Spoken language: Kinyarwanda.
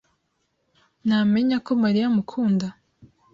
ntamenya ko Mariya amukunda?